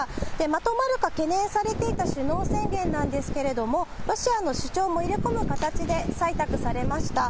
まとまるか懸念されていた首脳宣言なんですけれども、ロシアの主張も入れ込む形で採択されました。